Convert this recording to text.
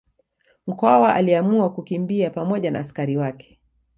Mkwawa aliamua kukimbia pamoja na askari wake